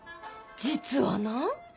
実はな。